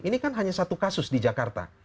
ini kan hanya satu kasus di jakarta